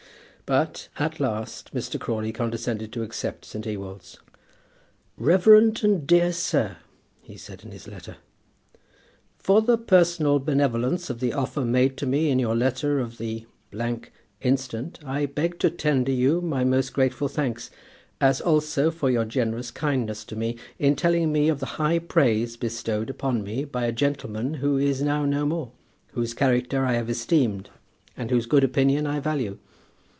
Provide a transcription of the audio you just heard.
But at last Mr. Crawley condescended to accept St. Ewolds. "Reverend and dear Sir," he said in his letter. For the personal benevolence of the offer made to me in your letter of the instant, I beg to tender you my most grateful thanks; as also for your generous kindness to me, in telling me of the high praise bestowed upon me by a gentleman who is now no more, whose character I have esteemed and whose good opinion I value.